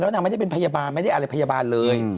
นางไม่ได้เป็นพยาบาลไม่ได้อะไรพยาบาลเลย